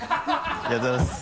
ありがとうございます。